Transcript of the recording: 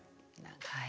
はい。